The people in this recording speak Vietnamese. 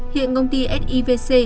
hiện công ty sivc